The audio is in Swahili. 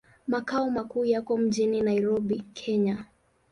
Makao makuu yako mjini Nairobi, Kenya.